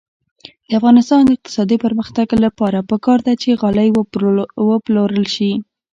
د افغانستان د اقتصادي پرمختګ لپاره پکار ده چې غالۍ وپلورل شي.